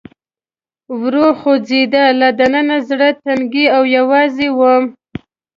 ورو خوځېده، له دننه زړه تنګی او یوازې ووم.